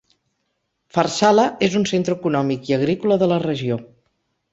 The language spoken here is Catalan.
Farsala és un centre econòmic i agrícola de la regió.